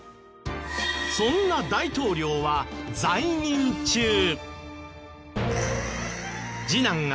そんな大統領は在任中。